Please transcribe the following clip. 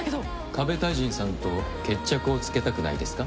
ＫＡＢＥ太人さんと決着をつけたくないですか。